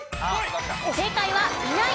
正解はいない。